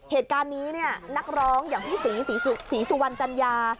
เหตุการณ์นี้เนี่ยนักร้องอย่างพี่ศรีศรีสุวรรณจัญญา